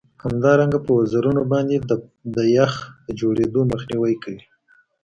همدارنګه په وزرونو باندې د یخ د جوړیدو مخنیوی کوي